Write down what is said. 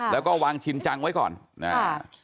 แล้วก็วางชินจังไว้ก่อนนะฮะ